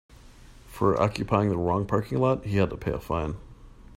For occupying the wrong parking lot he had to pay a fine.